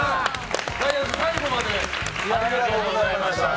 ダイアンさん、最後までありがとうございました。